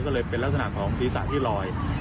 ก็เลยเป็นลักษณะของศีรษะที่ลอย